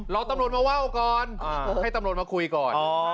รอตำรวจมาว่าวก่อนให้ตำรวจมาคุยก่อน